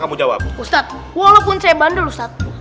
ustadz walaupun saya bandel ustadz